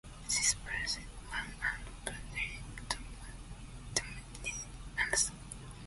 She splashed one and badly damaged another.